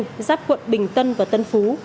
giáp quận bình tân và tân phú